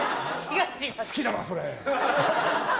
好きだな、それ。